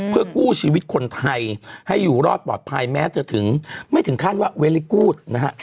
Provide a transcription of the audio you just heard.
เพื่อกู้ชีวิตคนไทยให้อยู่รอดปลอดภัยแม้จะถึงไม่ถึงขั้นว่าเวลิกูธนะฮะ